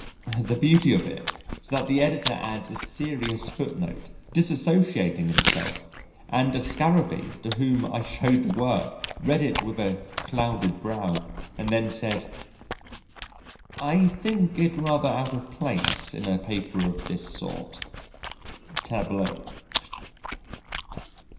The beauty of it is that the Editor adds a serious footnote, dissociating himself, and a Scarabee to whom I shewed the Work, read it with a clouded brow and then said: "I think it rather out of place in a paper of this sort." (Tableau.)